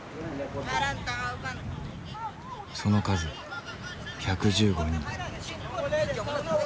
その数１１５人。